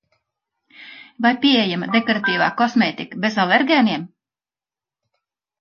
Vai pieejama dekoratīvā kosmētika bez alergēniem?